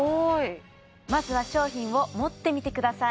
まずは商品を持ってみてください